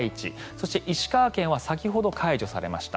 そして、石川県は先ほど解除されました。